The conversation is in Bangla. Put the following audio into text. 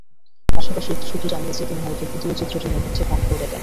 পাশাপাশি একটি সূত্র জানিয়েছে, তিনি হয়তো ভিডিও চিত্রটির নেপথ্যে কণ্ঠও দেবেন।